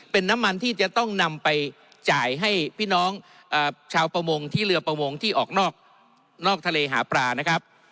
เป็นน้ำมันที่จะต้องนำไปจ่ายให้พี่น้องชาวประมงที่เรือประมงที่ออกนอกทะเลหาปลานะครับ